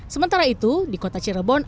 sementara itu di kota cirebon